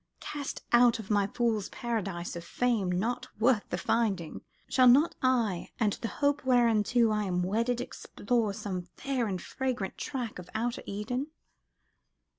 Cast out of my fool's Paradise of fame not worth the finding, shall, not I and the hope whereunto I am wedded explore some fair and fragrant tract of outer Eden?